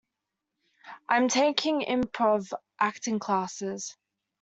I am taking improv acting classes.